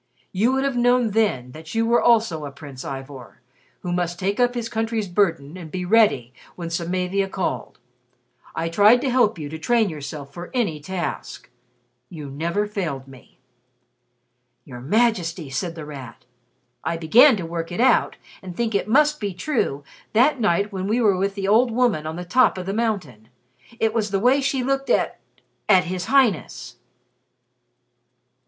You would have known then that you also were a Prince Ivor, who must take up his country's burden and be ready when Samavia called. I tried to help you to train yourself for any task. You never failed me." "Your Majesty," said The Rat, "I began to work it out, and think it must be true that night when we were with the old woman on the top of the mountain. It was the way she looked at at His Highness."